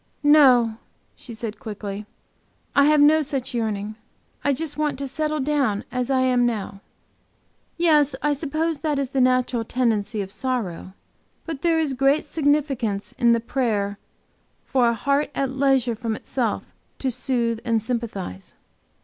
"No," she said, quickly, "I have no such yearning. I just want to settle down as I am now." "Yes, I suppose that is the natural tendency of sorrow. But there is great significance in the prayer for 'a heart at leisure from itself, to soothe and sympathize.'"